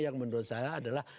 yang menurut saya adalah